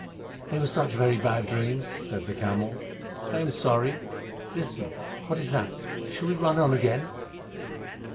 "They were such very bad dreams," said the camel. "I am sorry. Listen! What is that? Shall we run on again?"